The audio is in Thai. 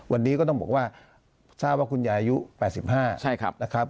วันนี้ก็ต้องบอกว่าทราบว่าคุณยายอายุ๘๕นะครับ